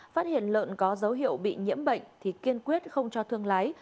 phát hiện lợn có dấu hiệu bị nhiễm bệnh thì kiên quyết không cho thương lái